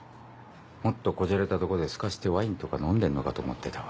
もっと小じゃれたとこですかしてワインとか飲んでんのかと思ってたわ。